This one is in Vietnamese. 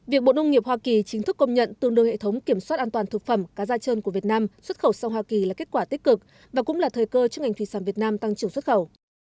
việc bộ nông nghiệp hoa kỳ chính thức công nhận tương đương hệ thống kiểm soát an toàn thực phẩm cá da trơn của việt nam xuất khẩu sang hoa kỳ là kết quả tích cực và cũng là thời cơ cho ngành thủy sản việt nam tăng trưởng xuất khẩu